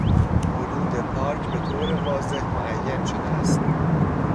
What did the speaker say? حدود پارک به طور واضح معین شده است.